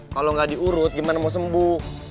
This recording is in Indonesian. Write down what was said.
kalau nggak diurut gimana mau sembuh